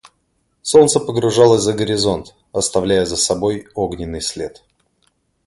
Солнце погружалось за горизонт, оставляя за собой огненный след.